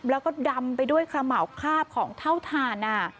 แล้วก็ดำไปด้วยขระเหมาคาบของเท่าทานอ่ะ